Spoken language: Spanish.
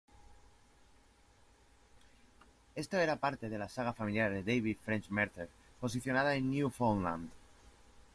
Esto era parte de la saga familiar de David French Mercer posicionada en Newfoundland.